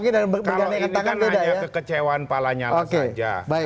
kalau ini kan hanya kekecewaan pak lanyala saja